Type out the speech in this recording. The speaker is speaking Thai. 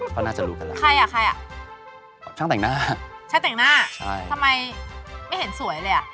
เค้าน่าจะรู้กันแล้ว